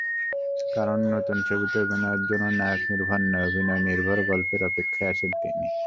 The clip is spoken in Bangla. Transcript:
কারণ নতুন ছবিতে অভিনয়ের জন্য নায়কনির্ভর নয়, অভিনয়নির্ভর গল্পের অপেক্ষায় আছেন তিনি।